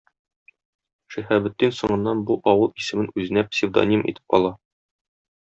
Шиһабетдин соңыннан бу авыл исемен үзенә псевдоним итеп ала.